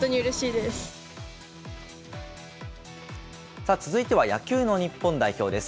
さあ、続いては野球の日本代表です。